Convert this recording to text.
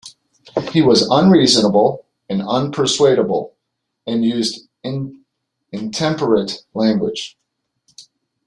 He was unreasonable and unpersuadable and used intemperate language.